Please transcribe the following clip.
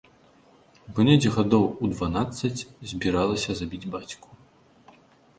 Бо недзе гадоў у дванаццаць збіралася забіць бацьку.